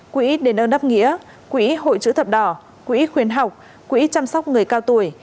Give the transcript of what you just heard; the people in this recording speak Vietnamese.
quỹ đền ơn đáp nghĩa quỹ hội chữ thập đỏ quỹ khuyến học quỹ chăm sóc người cao tuổi